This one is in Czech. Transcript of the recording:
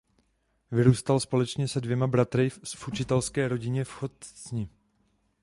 Vyrůstal společně se dvěma bratry v učitelské rodině v Chocni.